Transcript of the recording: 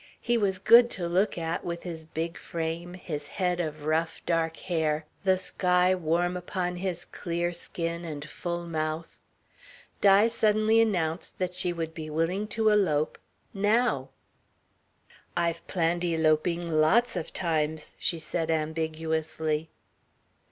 He was good to look at, with his big frame, his head of rough dark hair, the sky warm upon his clear skin and full mouth. Di suddenly announced that she would be willing to elope now. "I've planned eloping lots of times," she said ambiguously.